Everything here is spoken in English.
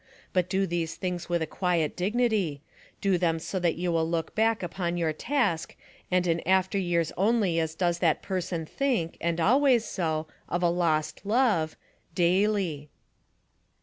But do these things with a quiet dignity ; do them so that you will look back upon your task and in after years only as does that person think, and ahvays so, of a lost iove : Daily.